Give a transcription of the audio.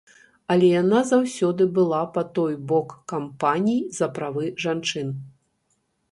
Але яна заўсёды была па той бок кампаній за правы жанчын.